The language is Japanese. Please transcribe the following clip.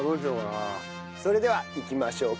それではいきましょう。